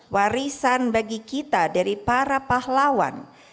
warisan bagi kita dari para pahlawan